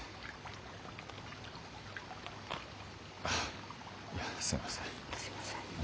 あっいやすいません。